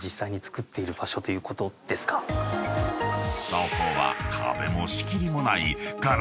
［そこは］